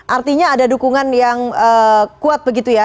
artinya ada dukungan yang kuat begitu ya